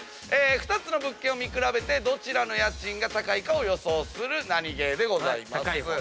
２つの物件を見比べてどちらの家賃が高いかを予想するナニゲーでございます。